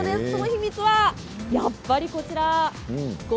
その秘密はやっぱりこちらです。